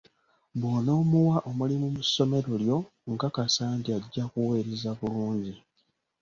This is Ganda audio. Bw'onamuwa omulimu mu ssomero lyo, nkakasa nti ajja kuweereza bulungi.